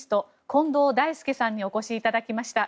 近藤大介さんにお越しいただきました。